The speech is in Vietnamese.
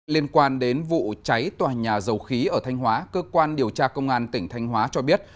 liên quan đến vụ cháy tòa nhà dầu khí ở thanh hóa cơ quan điều tra công an tỉnh thanh hóa cho biết